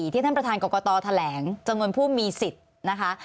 ท่านประธานกรกตแถลงจำนวนผู้มีสิทธิ์นะคะ